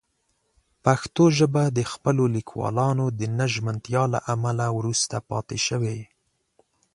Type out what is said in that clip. پښتو ژبه د خپلو لیکوالانو د نه ژمنتیا له امله وروسته پاتې شوې.